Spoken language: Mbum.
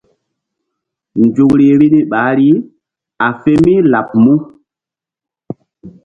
Nzukri vbi ni ɓahri a fe mí laɓ mu?